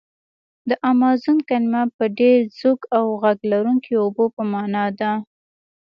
د امازون کلمه د ډېر زوږ او غږ لرونکي اوبو په معنا ده.